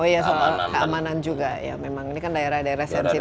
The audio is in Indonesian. oh ya soal keamanan juga ya memang ini kan daerah daerah sensitif